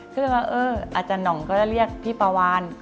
ก็เลยว่าเอออาจารย์หน่องก็จะเรียกพี่ปาวาน